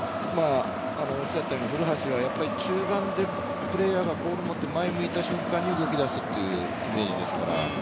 古橋は中盤でプレーヤーがボールを持って前を向いた瞬間に動き出すというイメージですから。